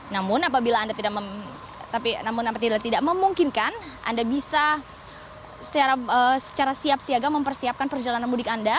namun apabila anda tidak memungkinkan anda bisa secara siap siaga mempersiapkan perjalanan mudik anda